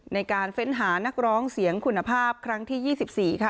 ในการเฟ้นหานักร้องเสียงคุณภาพครั้งที่ยี่สิบสี่ค่ะ